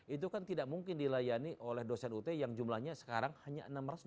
itu kan tidak mungkin dilayani oleh dosen ut yang jumlahnya sekarang hanya enam ratus